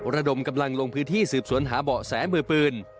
ระดมกำลังลงพื้นที่สืบสวนหาเบาะแสมือปืน